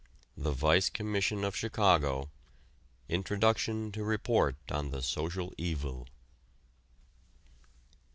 The Vice Commission of Chicago Introduction to Report on the Social Evil.